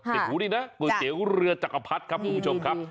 หูนี่นะก๋วยเตี๋ยวเรือจักรพรรดิครับคุณผู้ชมครับ